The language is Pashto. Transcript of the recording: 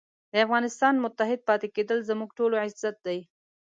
د افغانستان متحد پاتې کېدل زموږ ټولو عزت دی.